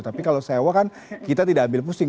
tapi kalau sewa kan kita tidak ambil pusing